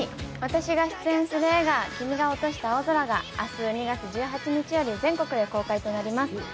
私が出演する映画「君が落とした青空」が明日、２月１８日より全国で公開となります。